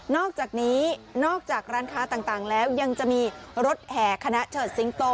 อกจากนี้นอกจากร้านค้าต่างแล้วยังจะมีรถแห่คณะเฉิดสิงโต